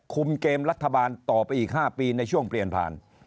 คุมเกมรัฐบาลต่อไปอีก๕ปีในช่วงเปลี่ยนผ่าน